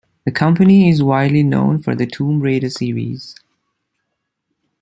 The company is widely known for the "Tomb Raider" series.